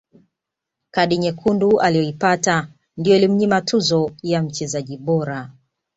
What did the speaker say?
kadi nyekundu aliyoipata ndiyo ilimnyima tuzo ya mchezaji bora